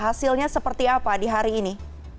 hasilnya seperti apa di hari ini